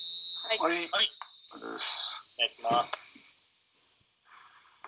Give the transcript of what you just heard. お願いします。